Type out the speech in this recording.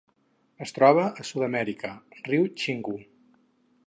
Es troba a Sud-amèrica: riu Xingu.